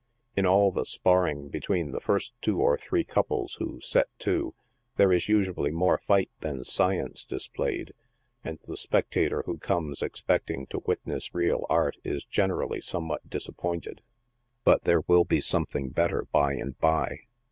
In all the sparring between the tirst two or three couples who set to, there is usually more fight than science displayed, and the spectator who comes expecting to witness real art is generally somewhat disappointed. But there will be something better by and by.